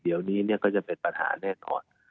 เดี๋ยวนี้ก็จะเป็นปัญหาแน่นอน